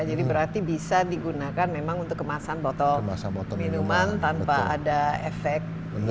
jadi berarti bisa digunakan memang untuk kemasan botol minuman tanpa ada efek